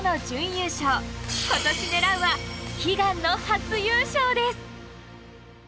今年狙うは悲願の初優勝です。